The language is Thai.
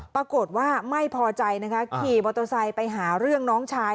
ปรากฏว่าไม่พอใจนะคะขี่มอเตอร์ไซค์ไปหาเรื่องน้องชาย